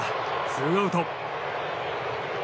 ツーアウト。